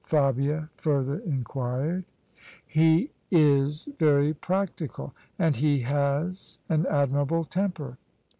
Fabia further inquired. " He is very practical ; and he has an admirable temper."